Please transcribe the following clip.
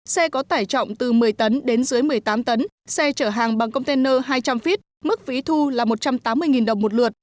xe có tải trọng từ một mươi tấn đến dưới một mươi tám tấn xe trở hàng bằng container hai trăm linh feet mức phí thu là một trăm tám mươi đồng một lượt